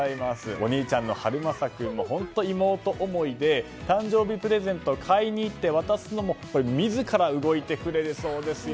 お兄ちゃんの悠政君も本当に妹思いで誕生日プレゼントを買いに行って渡すのも自ら動いてくれるそうですよ。